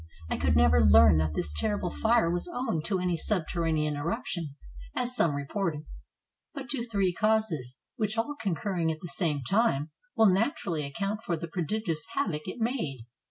I could never learn that this terrible fire was owing to any subterranean eruption, as some reported, but to three causes, which all concurring at the same time, will naturally account for the prodigious havoc it made.